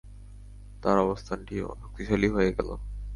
তার অবস্থানটি শক্তিশালী হয়ে গেল।